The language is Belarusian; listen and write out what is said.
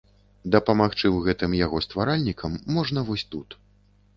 Дапамагчы ў гэтым яго стваральнікам можна вось тут.